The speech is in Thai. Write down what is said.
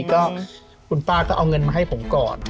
ก็คุณป้าก็เอาเงินมาให้ผมก่อน